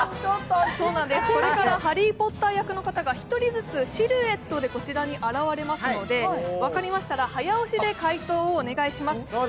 これから「ハリー・ポッター」役の人が１人ずつシルエットで現れますので分かりましたら早押しで回答をお願いします。